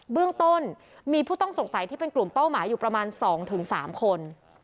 เบื้องต้นมีผู้ต้องสงสัยที่เป็นกลุ่มเป้าหมายอยู่ประมาณ๒๓คน